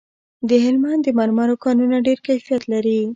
د هلمند د مرمرو کانونه ډیر کیفیت لري